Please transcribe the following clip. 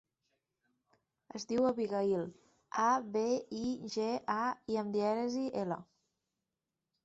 Es diu Abigaïl: a, be, i, ge, a, i amb dièresi, ela.